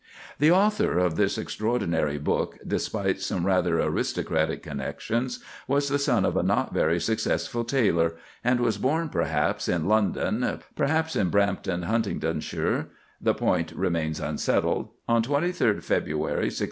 The author of this extraordinary book, despite some rather aristocratic connections, was the son of a not very successful tailor, and was born, perhaps in London, perhaps in Brampton, Huntingdonshire, (the point remains unsettled,) on 23d February, 1632.